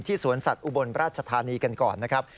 สวนสัตว์อุบลราชธานีกันก่อนนะครับ